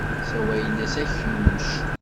Sawalen-as akluc.